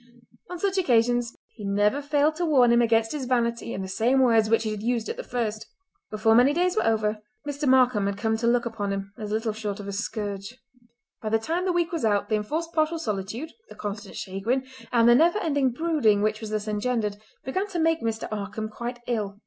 On such occasions he never failed to warn him against his vanity in the same words which he had used at the first. Before many days were over Mr. Markam had come to look upon him as little short of a scourge. By the time the week was out the enforced partial solitude, the constant chagrin, and the never ending brooding which was thus engendered, began to make Mr. Markam quite ill.